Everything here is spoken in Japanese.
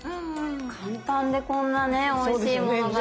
簡単でこんなねおいしいものが出来るなんて。